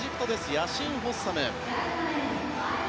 ヤシン・ホッサム。